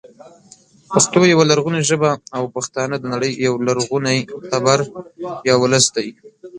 پښتو يوه لرغونې ژبه او پښتانه د نړۍ یو لرغونی تبر یا ولس دی